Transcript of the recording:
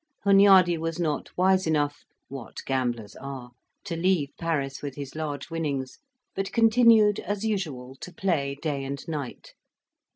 Hunyady was not wise enough (what gamblers are?) to leave Paris with his large winnings, but continued as usual to play day and night.